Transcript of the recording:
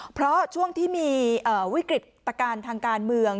เพราะช่วงที่มีวิกฤตการณ์ทางการเมือง